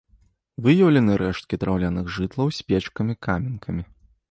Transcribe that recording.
Выяўлены рэшткі драўляных жытлаў з печкамі-каменкамі.